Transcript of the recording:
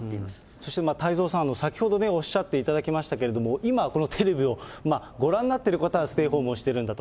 そして太蔵さん、先ほどおっしゃっていただきましたけれども、今、このテレビをご覧になってる方はステイホームをしているんだと。